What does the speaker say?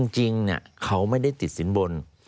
จริงเขาไม่ได้ติดสินบน